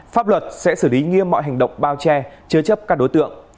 pháp luật sẽ xử lý nghiêm mọi hành động bao che chứa chấp các đối tượng